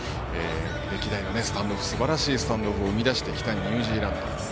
歴代のすばらしいスタンドオフを生み出してきたニュージーランドです。